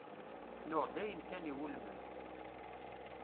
Nuɣ-d ayen kan iwulmen.